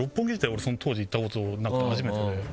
俺その当時行ったことなくて初めてで。